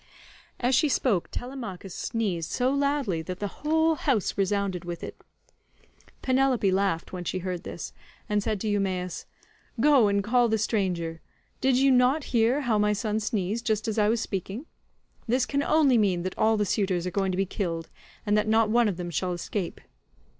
As she spoke Telemachus sneezed so loudly that the whole house resounded with it. Penelope laughed when she heard this, and said to Eumaeus, "Go and call the stranger; did you not hear how my son sneezed just as I was speaking? This can only mean that all the suitors are going to be killed, and that not one of them shall escape.